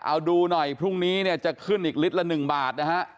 เอาดูหน่อยพรุ่งนี้เนี่ยจะขึ้นอีกลิตรละ๑บาทนะฮะ